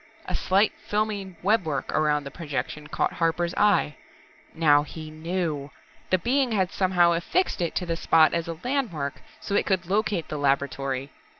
A slight filmy webwork around the projection caught Harper's eye. Now he knew the Being had somehow affixed it to the spot as a landmark, so It could locate the laboratory.